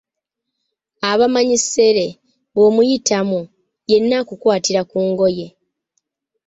Abamanyi ssere, bw’omuyitamu, yenna akukwatira ku ngoye.